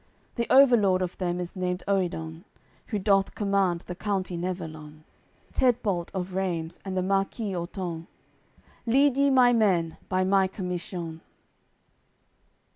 The overlord of them is named Oedon, Who doth command the county Nevelon, Tedbald of Reims and the marquis Oton: "Lead ye my men, by my commission."